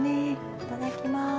いただきます。